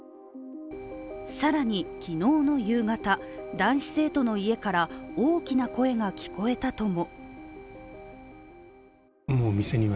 更に、昨日の夕方、男子生徒の家から大きな声が聞こえたとも。